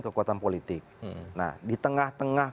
kekuatan politik nah di tengah tengah